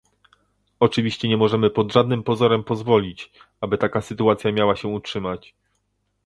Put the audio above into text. Oczywiście nie możemy pod żadnym pozorem pozwolić, aby taka sytuacja miała się utrzymać